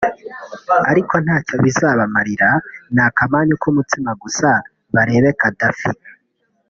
ariko ntacyo bizabamarira ni akamanyu ku mutsima gusa barebe ghadafi